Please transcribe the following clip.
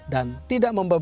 dan tidak membabarkan